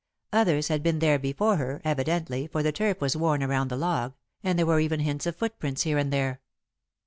Others had been there before her, evidently, for the turf was worn around the log, and there were even hints of footprints here and there.